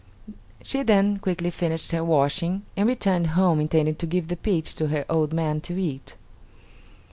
She then quickly finished her washing and returned home intending to give the peach to her old man to eat.